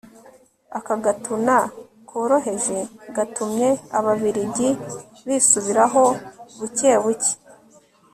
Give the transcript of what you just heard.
aka gatuna koroheje katumye ababiligi bisubiraho buke buke